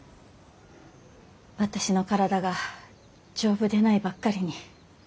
私の体が丈夫でないばっかりに。